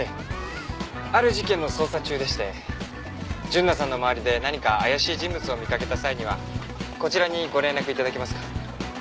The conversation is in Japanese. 純奈さんの周りで何か怪しい人物を見かけた際にはこちらにご連絡頂けますか？